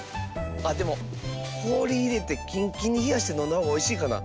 あっでもこおりいれてキンキンにひやしてのんだほうがおいしいかな。